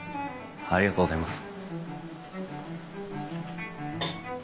ありがとうございます。